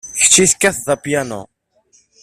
Kecc tekkated apyanu.